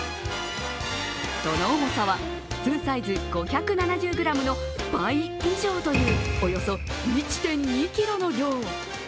その重さは、普通サイズ５７０ｇの倍以上というおよそ１．２ｋｇの量。